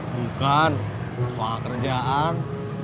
bukan soal kerjaan